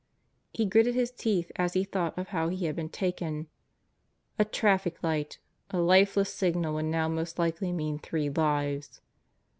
He gritted his teeth as he thought of how he had been taken. A traffic light ... a lifeless signal would now most likely mean three lives!